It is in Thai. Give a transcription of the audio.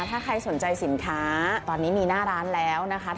ถ้าใครสนใจสินค้าตอนนี้มีหน้าร้านแล้วนะคะ